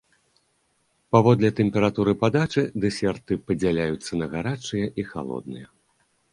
Паводле тэмпературы падачы дэсерты падзяляюцца на гарачыя і халодныя.